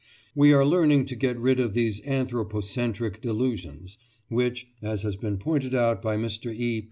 We are learning to get rid of these "anthropocentric" delusions, which, as has been pointed out by Mr. E.